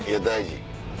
大事。